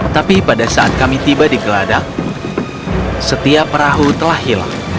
tapi pada saat kami tiba di geladak setiap perahu telah hilang